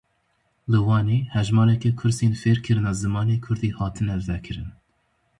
Li Wanê hejmareke kursên fêrkirina zimanê Kurdî hatine vekirin.